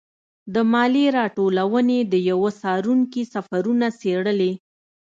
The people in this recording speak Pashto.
د مالیې راټولونې د یوه څارونکي سفرونه څېړلي.